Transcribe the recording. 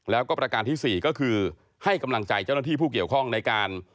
แล้วก็ประการที่๔ก็คือให้กำลังใจเจ้าหน้าที่ผู้เกี่ยวข้องในการ